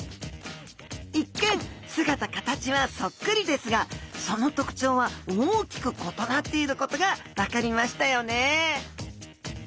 一見姿形はそっくりですがその特徴は大きく異なっていることが分かりましたよね